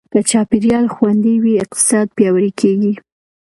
که چاپېریال خوندي وي، اقتصاد پیاوړی کېږي.